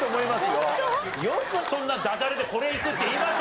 よくそんなダジャレでこれいくって言いましたね。